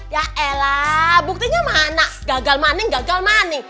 ya eh lah buktinya mana gagal money gagal money